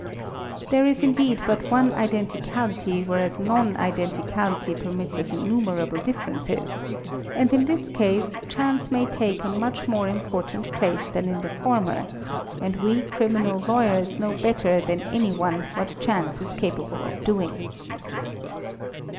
There is indeed but one identicality whereas non identicality permits of innumerable : differences, and in this case, chance may take a much more important place than in'the former and we criminal lawyers know better than any one what chance is capable of doing.